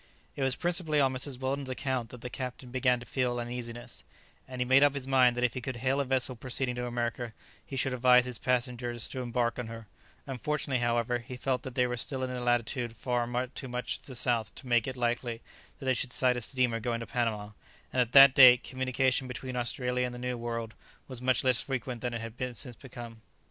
] It was principally on Mrs. Weldon's account that the Captain began to feel uneasiness, and he made up his mind that if he could hail a vessel proceeding to America he should advise his passengers to embark on her; unfortunately, however, he felt that they were still in a latitude far too much to the south to make it likely that they should sight a steamer going to Panama; and at that date, communication between Australia and the New World was much less frequent than it has since become.